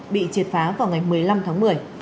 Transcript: bị triệt phá vào ngày một mươi năm tháng một mươi